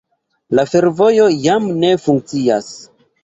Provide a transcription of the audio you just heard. La fervojo jam ne funkcias.